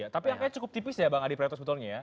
tapi angkanya cukup tipis ya bang adi prato sebetulnya ya